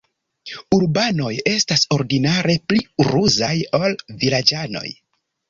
Urbanoj estas ordinare pli ruzaj, ol vilaĝanoj.